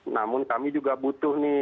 namun kami juga butuh nih